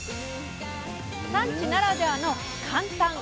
産地ならではの簡単！！